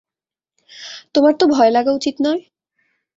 তোমার তো ভয় লাগা উচিত নয়।